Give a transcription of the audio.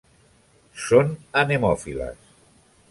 Són anemòfiles.